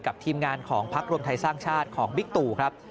ทีมงานของพักรวมไทยสร้างชาติของบิ๊กตู่ครับ